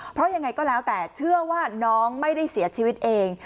เพราะยังไงก็แล้วแต่เชื่อว่าน้องไม่ได้เสียชีวิตเอง